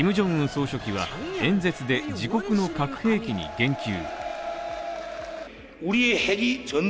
総書記は演説で自国の核兵器に言及。